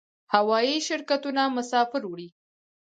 هوایی شرکتونه مسافر وړي